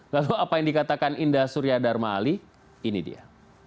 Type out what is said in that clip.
lalu apa yang dikatakan indah surya dharma ali ini dia